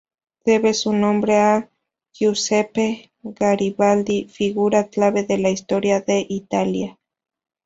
Debe su nombre a Giuseppe Garibaldi figura clave de la historia de Italia.